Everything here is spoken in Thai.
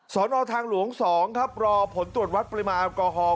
สนทางหลวง๒ครับรอผลตรวจวัดปริมาณแอลกอฮอล์